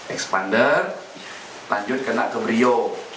expander lanjut kena ke brio dua